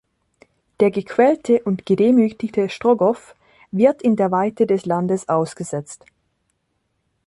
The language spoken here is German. Der gequälte und gedemütigte Strogoff wird in der Weite des Landes ausgesetzt.